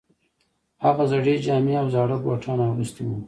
هغه زړې جامې او زاړه بوټان اغوستي وو